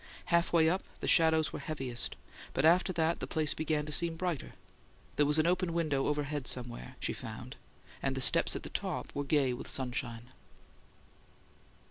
Half way up the shadows were heaviest, but after that the place began to seem brighter. There was an open window overhead somewhere, she found; and the steps at the top were gay with sunshine.